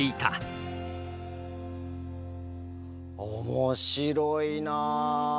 面白いな。